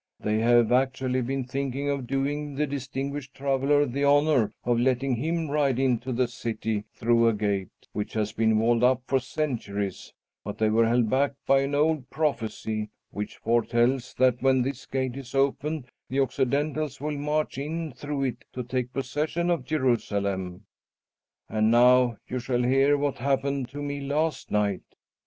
They have actually been thinking of doing the distinguished traveller the honor of letting him ride into the city through a gate which has been walled up for centuries; but they were held back by an old prophecy which foretells that when this gate is opened the Occidentals will march in through it to take possession of Jerusalem. "And now you shall hear what happened to me last night.